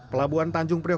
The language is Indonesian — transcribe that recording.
pelabuhan tanjung priok